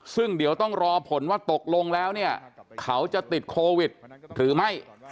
ซึ่งเดี๋ยวต้องรอผลว่าตกลงแล้วเนี่ยเขาจะติดโควิดหรือไม่